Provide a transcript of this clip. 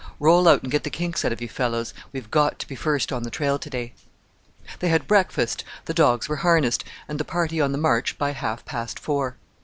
"Roll out and get the kinks out of you, fellows, we've got to be first on the trail to day." They had breakfast, the dogs were harnessed, and the party on the march by half past four.